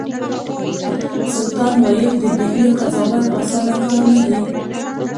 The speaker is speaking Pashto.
سلطان ویل د ډهلي قضاوت اسانه کار نه دی.